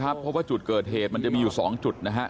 เพราะว่าจุดเกิดเหตุมันจะมีอยู่๒จุดนะฮะ